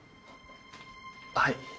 はい。